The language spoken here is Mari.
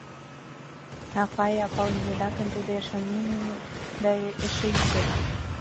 А Фая, палынеда гын, тудо эше... м-м-да... эше ӱдыр.